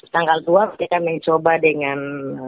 tanggal dua kita mencoba dengan